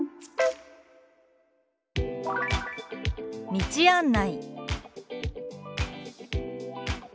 「道案内」。